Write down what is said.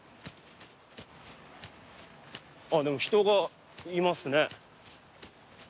ああでも人がいますね。